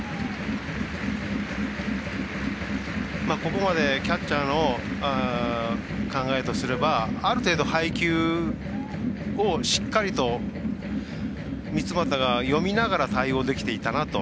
ここまでキャッチャーの考えとすればある程度、配球をしっかりと三ツ俣が読みながら対応できていたなと。